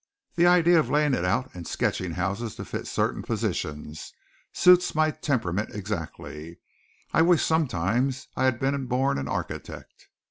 The idea of laying it out and sketching houses to fit certain positions, suits my temperament exactly. I wish sometimes I had been born an architect."